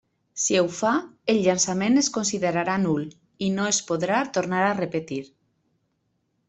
Si ho fa, el llançament es considerarà nul, i no es podrà tornar a repetir.